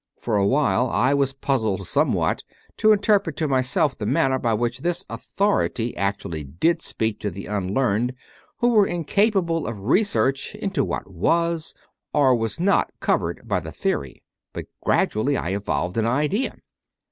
For a while I was puzzled somewhat to interpret to myself the manner by which this authority actu 76 CONFESSIONS OF A CONVERT ally did speak to the unlearned who were incapable of research into what was or was not covered by the theory; but gradually I evolved an idea.